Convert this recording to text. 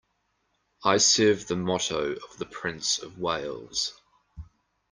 I serve the motto of the Prince of Wales.